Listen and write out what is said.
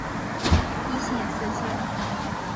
一线四星。